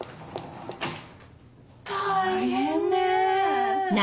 大変ねぇ。